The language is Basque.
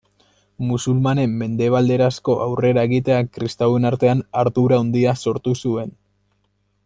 Musulmanen mendebalderanzko aurrera egiteak, kristauen artean ardura handia sortu zuen.